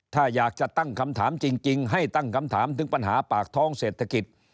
ถ้าอยากจะตั้งคำถามจริงให้ตั้งคำถามถึงปัญหาปากท้องเศรษฐกิจ